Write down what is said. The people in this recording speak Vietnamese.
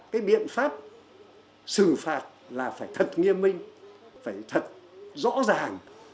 cái biện pháp xử phạt là phải thật nghiêm minh phải thật rõ ràng